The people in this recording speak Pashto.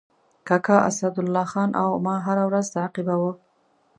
کاکا اسدالله خان او ما هره ورځ تعقیباوه.